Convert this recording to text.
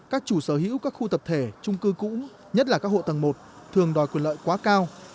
các chủ sở hữu các khu tập thể trung cư cũ nhất là các hộ tầng một thường đòi quyền lợi quá cao